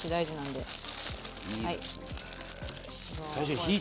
はい。